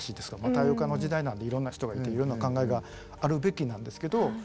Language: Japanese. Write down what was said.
多様化の時代なんでいろんな人がいていろんな考えがあるべきなんですけど。